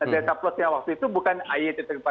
delta plusnya waktu itu bukan ay empat dua